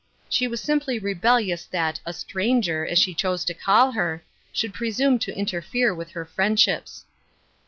She was simply rebellious that " a stranger," as she chose to call her, should pre Rume to interfere with her friendships.